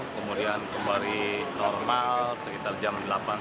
dua puluh kemudian kembali normal sekitar jam delapan tiga puluh